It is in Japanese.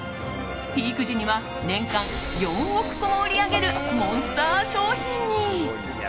ピーク時には年間４億個も売り上げるモンスター商品に。